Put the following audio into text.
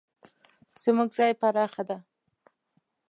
زموږ ځای پراخه ده